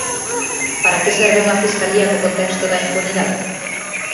Para que serve unha fiscalía co contexto da impunidade?